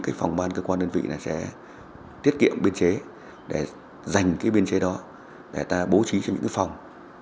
và các cơ quan đơn vị sẽ tiết kiệm biên chế để dành biên chế đó để bố trí cho những phòng